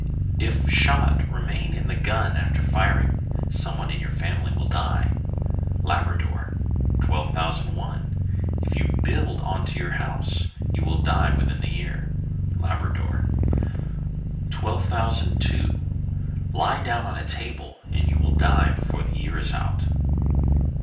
If shot remain in the gun after firing, some one of your family will die. Labrador. 1201. If you build on to your house, you will die within the year. Labrador. 1202. Lie down on a table and you will die before the year is out.